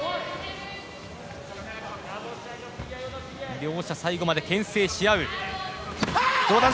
両者最後までけん制し合う。